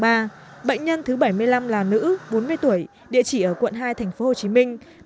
bệnh nhân thứ bảy mươi năm là nữ bốn mươi tuổi địa chỉ ở quận hai thành phố hồ chí minh